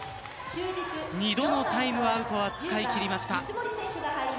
２度のタイムアウトは使い切りました。